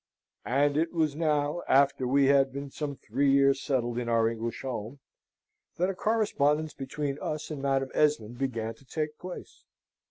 And it was now, after we had been some three years settled in our English home, that a correspondence between us and Madam Esmond began to take place.